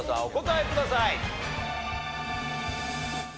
お答えください。